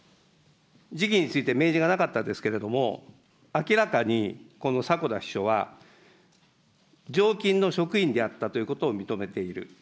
時期について明示がなかったですけれども、明らかにこの迫田秘書は常勤の職員であったということを認めている。